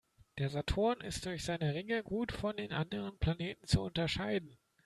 Der Saturn ist durch seine Ringe gut von den anderen Planeten zu unterscheiden.